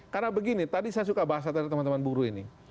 karena begini tadi saya suka bahas tadi teman teman buruh ini